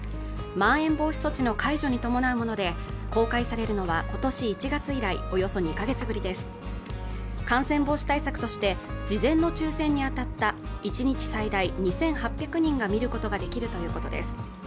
まん延防止措置の解除に伴うもので公開されるのはことし１月以来およそ２か月ぶりです感染防止対策として事前の抽せんに当たった１日最大２８００人が見ることができるということです